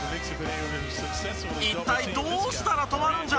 一体どうしたら止まるんじゃ？